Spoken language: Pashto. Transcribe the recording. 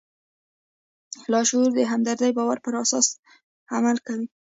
لاشعور د همدې باور پر اساس عمل کوي